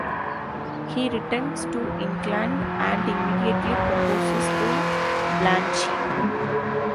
He returns to England and immediately proposes to Blanche.